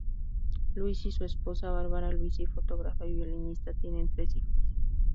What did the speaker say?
Luisi y su esposa Barbara Luisi, fotógrafa y violinista, tienen tres hijos.